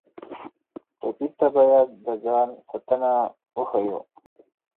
ټپي ته باید د ځان ساتنه وښیو.